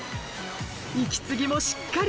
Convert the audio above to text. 息継ぎもしっかり。